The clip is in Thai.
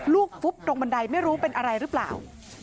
ฟุบตรงบันไดไม่รู้เป็นอะไรหรือเปล่า